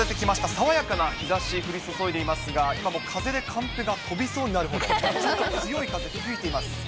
爽やかな日ざし、降り注いでいますが、今も風でカンペが飛びそうになるほど、ちょっと強い風吹いています。